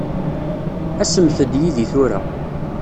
Asemt-d yid-i tura.